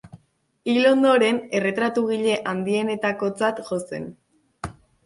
Hil ondoren, erretratugile handienetakotzat jo zen.